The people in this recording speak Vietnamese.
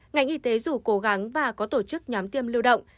ngành y tế dù cố gắng và có tổ chức nhóm tiêm lưu động